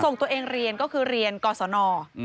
ส่งตัวเองเรียนก็คือเรียนกศน